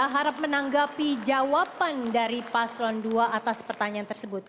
harap menanggapi jawaban dari paslon dua atas pertanyaan tersebut